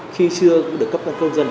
khi chưa được cấp đoàn công dân